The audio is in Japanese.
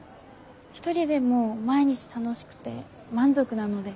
一人でも毎日楽しくて満足なので。